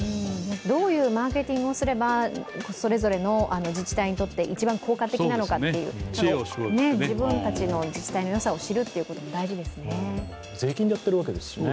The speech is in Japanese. どういうマーケティングをすれば、それぞれの自治体にとって一番、効果的なのかっていう自分たちの自治体の良さを知るのも大事ですね。